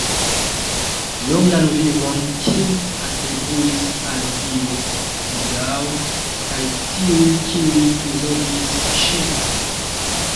Longan vivon Kin atribuis al Dio, Budao, kaj tiuj, kiuj prizorgis ŝin.